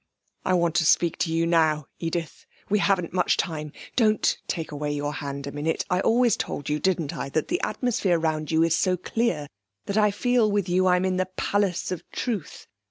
'I want to speak to you now, Edith. We haven't much time. Don't take away your hand a minute....I always told you, didn't I, that the atmosphere round you is so clear that I feel with you I'm in the Palace of Truth?